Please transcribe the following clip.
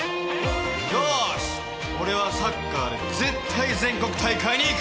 よし俺はサッカーで絶対全国大会に行く。